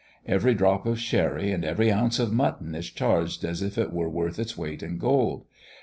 Every drop of sherry and every ounce of mutton is charged as if it were worth its weight in gold.